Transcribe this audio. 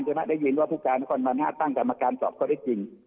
จะได้ยินว่าผู้การคลานฟรรณภะตั้งกรรมการศาลก็ได้จริง